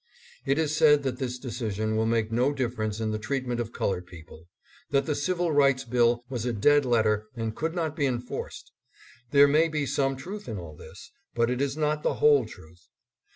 It is said that this decision will make no difference in the treatment of colored people ; that the Civil Rights Bill was a dead letter and could not be enforced. There may be some truth in all this, but it is not the whole truth.